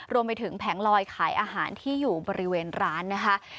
รวมไปถึงแผงลอยขายอาหารที่อยู่บริเวณร้านนะคะ